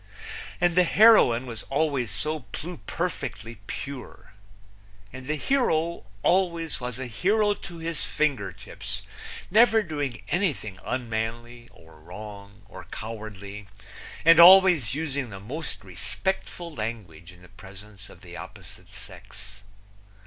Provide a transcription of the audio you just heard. And the heroine was always so pluperfectly pure. And the hero always was a hero to his finger tips, never doing anything unmanly or wrong or cowardly, and always using the most respectful language in the presence of the opposite sex.